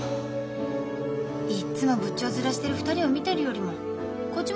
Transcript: いっつも仏頂面してる２人を見てるよりもこっちもずっといいわ。